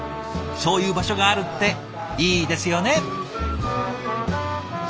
そういう場所があるっていいですよね。